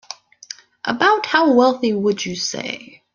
About how wealthy would you say?